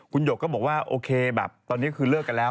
คุณหยกก็บอกว่าโอเคแบบตอนนี้คือเลิกกันแล้ว